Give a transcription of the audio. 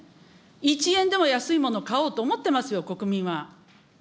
１円でも安いものを買おうと思ってますよ、国民は。